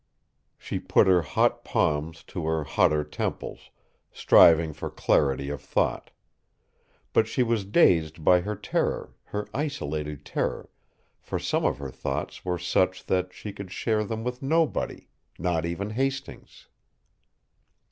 She put her hot palms to her hotter temples, striving for clarity of thought. But she was dazed by her terror her isolated terror, for some of her thoughts were such that she could share them with nobody not even Hastings.